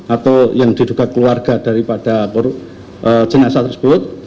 atau yang diduga keluarga daripada jenazah tersebut